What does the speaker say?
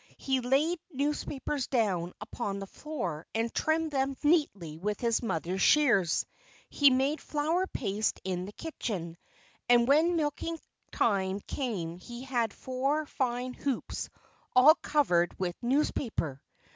He laid newspapers down upon the floor and trimmed them neatly with his mother's shears. He made flour paste in the kitchen. And when milking time came he had four fine hoops all covered with newspaper.